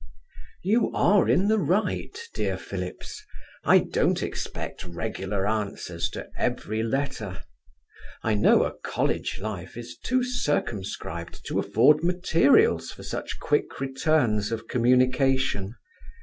You are in the right, dear Phillips; I don't expect regular answers to every letter I know a college life is too circumscribed to afford materials for such quick returns of communication.